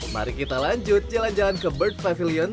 mari kita lanjut jalan jalan ke bird pavilion